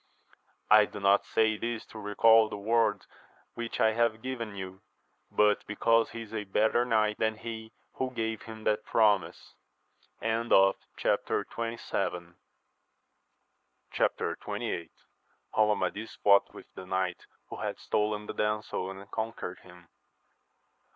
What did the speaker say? I do not say this to recal the word which I have given you, but because he is a better knight than he who gave him that promise. Chap. XXVIII. — How Amadis fought wifch the knight who had stolen awaj the damsel, and conquer^ him.